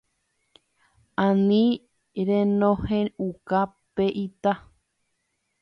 Ani renohẽuka pe ita